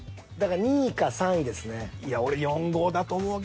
だから２位か３位ですね。